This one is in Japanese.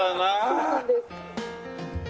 そうなんです。